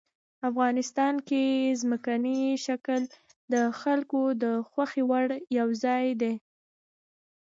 افغانستان کې ځمکنی شکل د خلکو د خوښې وړ یو ځای دی.